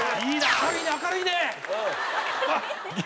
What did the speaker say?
明るいね明るいね！